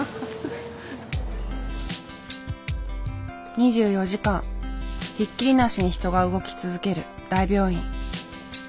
２４時間ひっきりなしに人が動き続ける大病院。